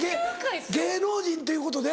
芸能人っていうことで？